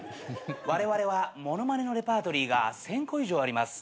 われわれはモノマネのレパートリーが１，０００個以上あります。